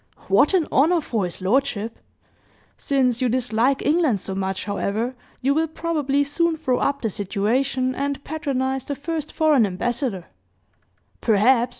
"What an honor for his lordship! Since you dislike England so much, however, you will probably soon throw up the situation and, patronize the first foreign ambassador " "Perhaps!